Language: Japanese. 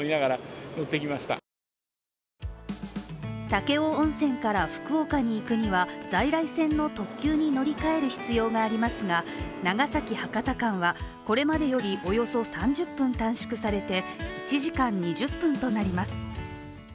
武雄温泉から福岡に行くには在来線の特急に乗り換える必要がありますが長崎−博多間はこれまでよりおよそ３０分短縮されて、１時間２０分となります。